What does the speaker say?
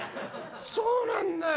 そうなんだよ。